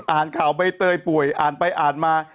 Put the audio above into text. อ่านข่าวใบเตยป่วยอ่านไปอ่านมา